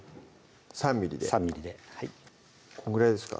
３ｍｍで３ｍｍではいこのぐらいですか？